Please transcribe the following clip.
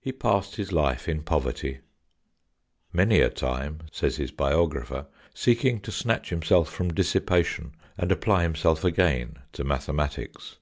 He passed his life in poverty, many a time, says his biographer, seeking to snatch himself from dissipation and apply himself again to mathematics.